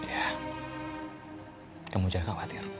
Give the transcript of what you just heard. ya kamu jangan khawatir